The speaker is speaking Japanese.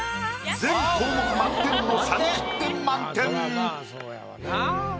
全項目満点の３０点満点。